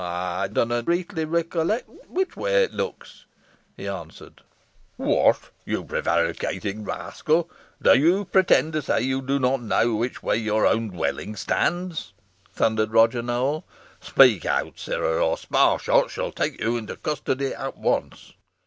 "Ey dunna reetly recollect which way it looks," he answered. "What! you prevaricating rascal, do you pretend to say that you do not know which way your own dwelling stands," thundered Roger Nowell. "Speak out, sirrah, or Sparshot shall take you into custody at once."